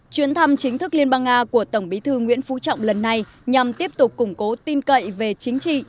chuyến thăm chính thức liên bang nga của tổng bí thư nguyễn phú trọng lần này nhằm tiếp tục củng cố tin cậy về chính trị